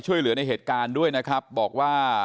โปรดติดตามต่อไป